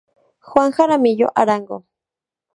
Juan Jaramillo Arango.